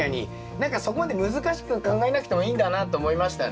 何かそこまで難しく考えなくてもいいんだなと思いましたね。